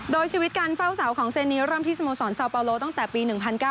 โดยชีวิตการเฝ้าเสาของเซนีเริ่มที่สโมสรซาปาโลตั้งแต่ปี๑๙๙